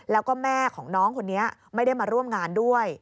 แล้วก็แม่ของน้องคนนี้ไม่ได้มาร่วมงานด้วย